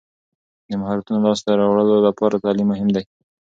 د مهارتونو لاسته راوړلو لپاره تعلیم مهم دی.